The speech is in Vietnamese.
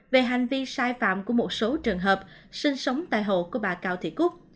về hành vi sai phạm của một số trường hợp sinh sống tại hộ của bà cao thị cúc